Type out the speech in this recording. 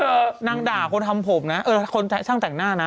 เมื่อที่เธอนั่งด่าคนยอมผมนะเออคนช่างแต่งหน้านะ